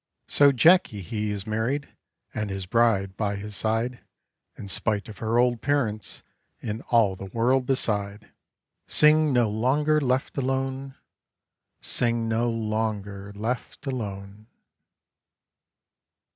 So Jacky, he is married, And his bride by his side, In spite of her old parents And all the world beside. Sing no longer left alone, Sing no longer left alone.